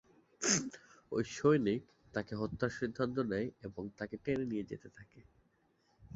ঐ সৈনিক তাকে হত্যার সিদ্ধান্ত নেয়, এবং তাকে টেনে নিয়ে যেতে থাকে।